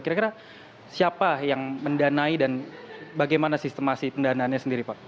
kira kira siapa yang mendanai dan bagaimana sistemasi pendanaannya sendiri pak